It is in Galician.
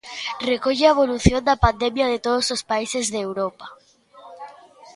Recolle a evolución da pandemia de todos os países de Europa.